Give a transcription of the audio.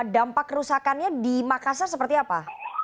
dampak kerusakannya di makassar seperti apa